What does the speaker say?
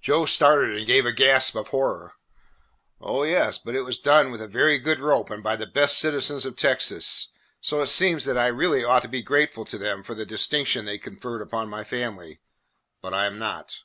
Joe started and gave a gasp of horror. "Oh, yes, but it was done with a very good rope and by the best citizens of Texas, so it seems that I really ought to be very grateful to them for the distinction they conferred upon my family, but I am not.